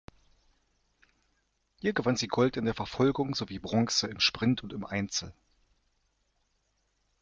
Hier gewann sie Gold in der Verfolgung sowie Bronze im Sprint und im Einzel.